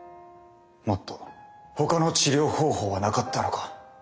もっとほかの治療方法はなかったのか。